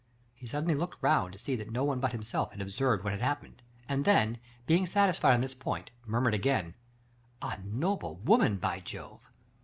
He suddenly looked round to see that no one but himself had observed what had happened, and then, being satisfied on this point, murmured again :'* A noble woman, by Jove